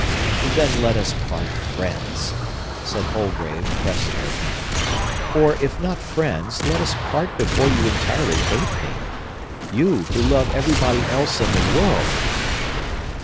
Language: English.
"Then let us part friends!" said Holgrave, pressing her hand. "Or, if not friends, let us part before you entirely hate me. You, who love everybody else in the world!"